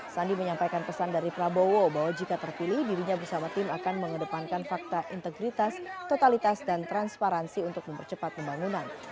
sandi menyampaikan pesan dari prabowo bahwa jika terpilih dirinya bersama tim akan mengedepankan fakta integritas totalitas dan transparansi untuk mempercepat pembangunan